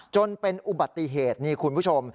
จนเป็นอุบัติเหตุนี่คุณผู้ชม